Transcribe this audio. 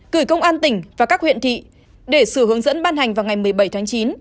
gửi công an tỉnh và các huyện thị để sửa hướng dẫn ban hành vào ngày một mươi bảy tháng chín